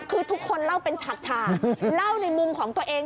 คือทุกคนเล่าเป็นฉากเล่าในมุมของตัวเอง